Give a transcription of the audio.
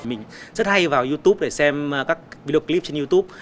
mình rất hay vào youtube để xem các video clip trên youtube